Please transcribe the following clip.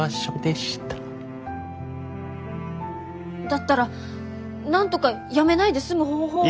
だったらなんとか辞めないで済む方法を。